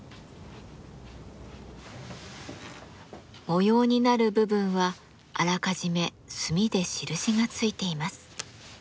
模様になる部分はあらかじめ墨で印がついています。